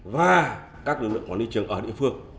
và các lực lượng quản lý trường ở địa phương